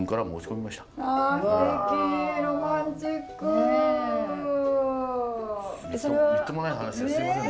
みっともない話ですいません。